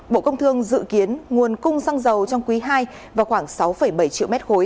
bộ công thương dự kiến nguồn cung xăng dầu trong quý ii vào khoảng sáu bảy triệu m ba